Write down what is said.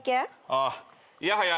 ああいやはや